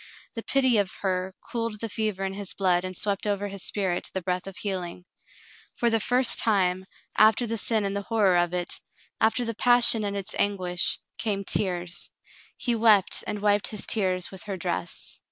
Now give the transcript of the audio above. The pity of her cooled the fever in his blood and swept over his spirit the breath of healing. For the first time, after the sin 44 The Mountain Girl and the horror of it, after the passion and its anguish, came tears. He wept and wiped his tears with her dress.